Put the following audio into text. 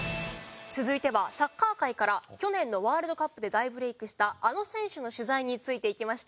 続いてはサッカー界から去年のワールドカップで大ブレークしたあの選手の取材について行きました。